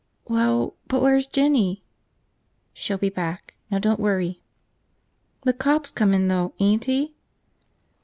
"Well. .. but where's Jinny?" "She'll be back. Now don't worry." "The cop's comin' though, ain't he?"